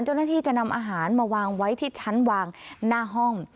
เจ้าหน้าที่จะนำอาหารมาวางไว้ที่ชั้นวางหน้าห้อง